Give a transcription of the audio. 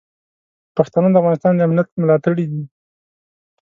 پښتانه د افغانستان د امنیت ملاتړي دي.